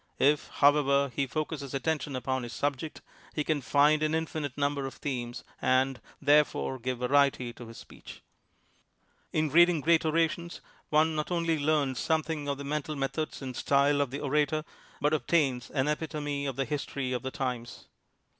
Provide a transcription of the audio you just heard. If, however, he focuses attention upon his subject, he can find an infinite number of themes and, therefore, give variety to his speech. In reading great orations one not only learns something of the mental methods and style of INTRODUCTION the orator, but obtains an epitome of the history of the times.